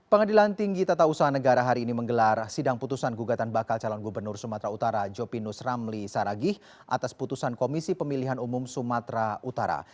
pengadilan tinggi tata usaha negara hari ini menggelar sidang putusan gugatan bakal calon gubernur sumatera utara jopinus ramli saragih atas putusan komisi pemilihan umum sumatera utara